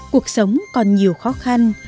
cuộc sống còn nhiều khó khăn